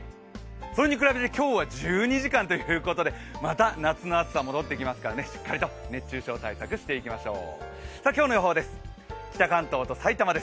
それに比べて今日は１２時間ということでまた夏の暑さが戻ってきますからしっかりと熱中症対策していきましょう。